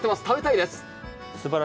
食べたいです。